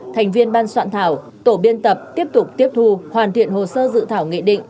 thành viên ban soạn thảo tổ biên tập tiếp tục tiếp thu hoàn thiện hồ sơ dự thảo nghị định